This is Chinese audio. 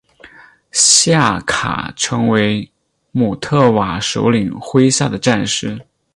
夏卡成为姆特瓦首领麾下的战士。